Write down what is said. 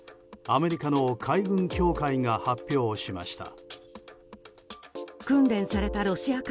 アメリカの海軍協会が発表しました。